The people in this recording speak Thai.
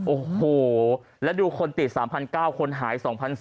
โอ้โหแล้วดูคนติด๓๙๐๐คนหาย๒๔๐๐